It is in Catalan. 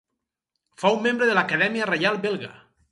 Fou membre de l'Acadèmia Reial Belga.